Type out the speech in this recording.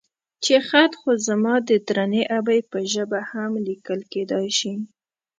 چې خط خو زما د درنې ابۍ په ژبه هم ليکل کېدای شي.